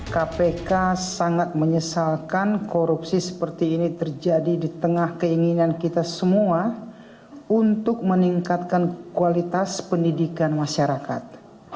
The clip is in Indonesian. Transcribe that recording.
kpk sangat menyesalkan korupsi seperti ini terjadi di tengah keinginan kita semua untuk meningkatkan kualitas pendidikan masyarakat